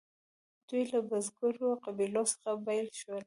دوی له بزګرو قبیلو څخه بیل شول.